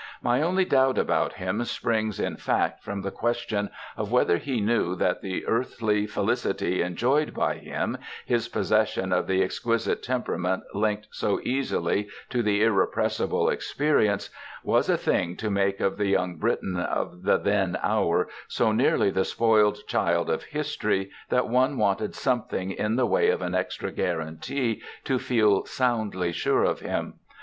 My only doubt about him springs in fact from the question of whether he knew that the earthly felicity enjoyed by him, his possession of the exquisite temperament linked so easily to the irrepressible experience, was a thing to make of the young Briton of the then hour so nearly the spoiled child of history that one wanted something in the way of an extra guarantee to feel soundly sure of him.